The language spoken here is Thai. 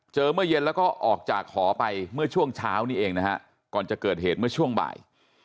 เมื่อเย็นแล้วก็ออกจากหอไปเมื่อช่วงเช้านี้เองนะฮะก่อนจะเกิดเหตุเมื่อช่วงบ่าย